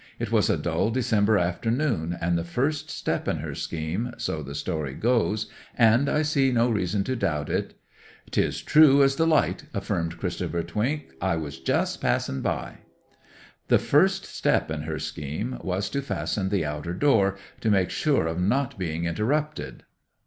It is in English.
It was a dull December afternoon: and the first step in her scheme—so the story goes, and I see no reason to doubt it—' ''Tis true as the light,' affirmed Christopher Twink. 'I was just passing by.' 'The first step in her scheme was to fasten the outer door, to make sure of not being interrupted.